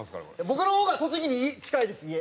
僕の方が栃木に近いです家。